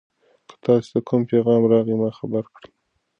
که تاسي ته کوم پیغام راغی ما خبر کړئ.